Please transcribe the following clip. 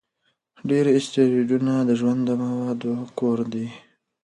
ډېر اسټروېډونه د ژوند د موادو کور دي.